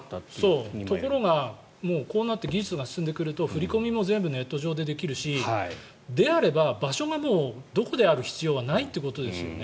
ところがこうやって技術が進んでくると振り込みも全部ネット上でできるしであれば、場所がどこである必要はないということですよね。